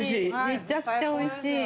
・めちゃくちゃおいしい。